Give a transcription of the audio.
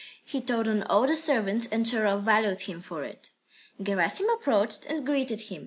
He told on all the servants, and Sharov valued him for it. Gerasim approached and greeted him.